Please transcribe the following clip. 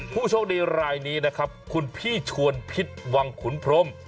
ผู้โชคดีรายนี้นะครับคุณพี่ชวนพิษวังขุนพรม